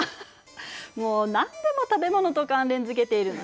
もう何でも食べ物と関連付けているのね。